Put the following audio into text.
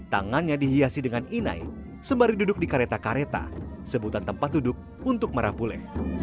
tangannya dihiasi dengan inai sembari duduk di kareta kareta sebutan tempat duduk untuk merah pule